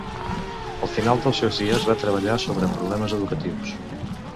Al final dels seus dies va treballar sobre problemes educatius.